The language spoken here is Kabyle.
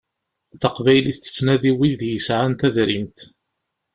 Taqbaylit tettnadi wid yesɛan tadrimt.